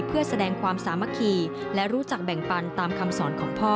เพื่อแสดงความสามัคคีและรู้จักแบ่งปันตามคำสอนของพ่อ